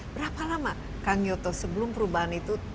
berapa lama kang yoto sebelum perubahan itu